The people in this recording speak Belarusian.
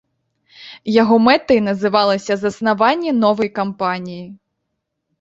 Яго мэтай называлася заснаванне новай кампаніі.